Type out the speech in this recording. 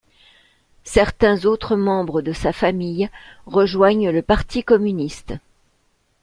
Certains autres membres de sa famille rejoignent le Parti communiste.